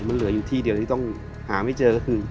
มันเหลืออยู่ที่เดียวที่ต้องหาไม่เจอก็คือ